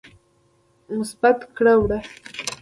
مثبت کړه وړه